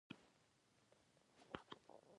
لیکونه د لاهور له یوه محصل سره ونیول شول.